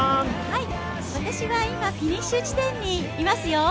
私は今、フィニッシュ地点にいますよ。